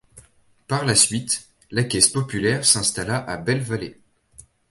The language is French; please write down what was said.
Par la suite, la Caisse Populaire s'installa à Belle-Vallée.